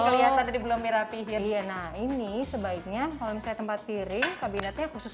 kelihatan tadi belum merapi ya nah ini sebaiknya kalau misalnya tempat piring kabinetnya khusus